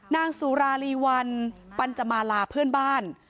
นางสุรารีวันปัญจมาลาเพื่อนบ้าน